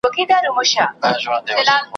لا به در اوري د غضب غشي `